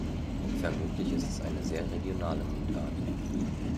Vermutlich ist es eine sehr regionale Mundart.